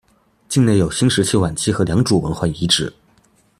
境内有新石器晚期和良渚文化遗址。